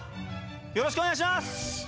よろしくお願いします！」。